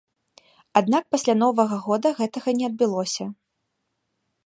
Аднак пасля новага года гэтага не адбылося.